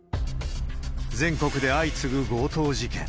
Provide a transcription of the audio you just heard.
全国で相次ぐ強盗事件。